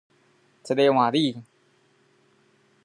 這個換你